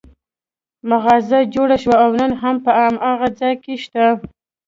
مغازه جوړه شوه او نن هم په هماغه ځای کې شته.